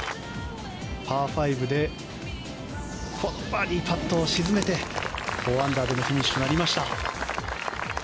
パー５でバーディーパットを沈めて４アンダーでのフィニッシュとなりました。